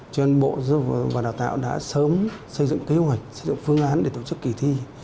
cho nên bộ giáo dục và đào tạo đã sớm xây dựng kế hoạch xây dựng phương án để tổ chức kỳ thi